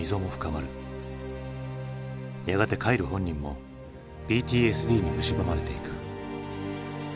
やがてカイル本人もＰＴＳＤにむしばまれていく。